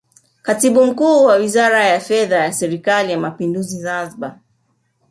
Katibu Mkuu wa Wizara ya Fedha ya Serikali ya Mapinduzi Zanzibar